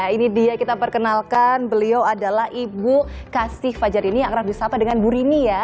ini dia kita perkenalkan beliau adalah ibu kasih fajar ini yang kerap disapa dengan bu rini ya